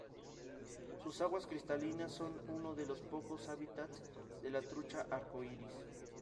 Sus aguas cristalinas son uno de los pocos hábitats de la trucha arco iris.